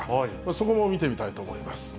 そこも見てみたいと思います。